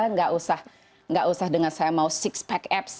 nggak usah dengan saya mau six pack apps